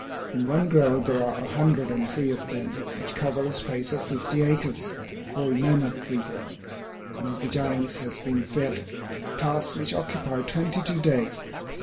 In one grove there are a hundred and three of them, which cover a space of fifty acres, called 'Mammoth Tree Grove.' One of the giants has been felled a task which occupied twenty two days.